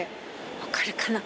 わかるかな？